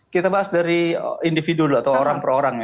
kita bahas dari individu atau orang per orang ya